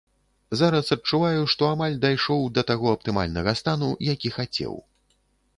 Зараз адчуваю, што амаль дайшоў да таго аптымальнага стану, які хацеў.